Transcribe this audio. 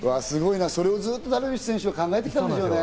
それをずっとダルビッシュ選手は考えてきていたんでしょうね。